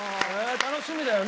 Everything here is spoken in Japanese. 楽しみだよね。